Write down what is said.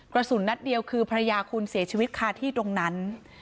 กระสุนนัดเดียวคือภรรยาคุณเสียชีวิตคาที่ตรงนั้น